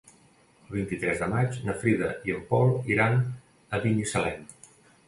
El vint-i-tres de maig na Frida i en Pol iran a Binissalem.